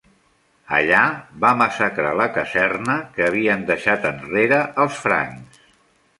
Allà, va massacrar la caserna que havien deixat enrere els francs.